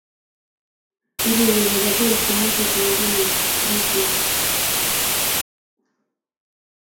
Urerie ne bo Gofu komochei keeku ne kirotei.